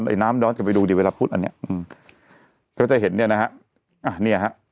ไอ้น้ำด้อนกลับไปดูดิเวลาพูดอันเนี้ยอืมเขาจะเห็นเนี่ยนะฮะ